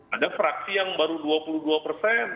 ada fraksi yang baru dua puluh dua persen